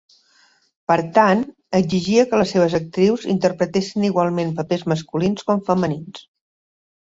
Per tant, exigia que les seves actrius interpretessin igualment papers masculins com femenins.